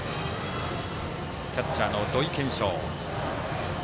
キャッチャー、土井研照。